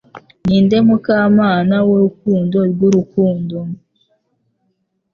Ninde Mukamana wurukundo rwurukundo